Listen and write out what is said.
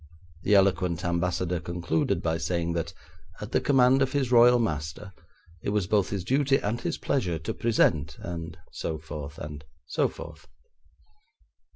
The eloquent Ambassador concluded by saying that, at the command of his Royal master, it was both his duty and his pleasure to present, and so forth and so forth.